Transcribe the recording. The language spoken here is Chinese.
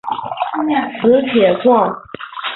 磁铁矿。